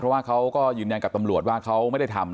เพราะว่าเขาก็ยืนยันกับตำรวจว่าเขาไม่ได้ทำ